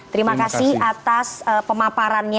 terima kasih atas pemaparannya